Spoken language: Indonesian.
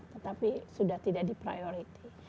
tetapi sudah tidak di priority